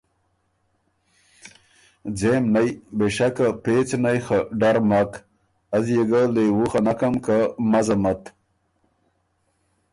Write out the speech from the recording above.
ځېم نئ، بېشکه پېڅ نئ خه ډر مک، از يې ګۀ لېوُو خه نکم که مزم ات۔